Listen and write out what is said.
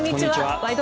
「ワイド！